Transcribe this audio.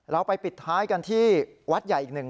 เราไปปิดท้ายกันที่วัดใหญ่อีกหนึ่ง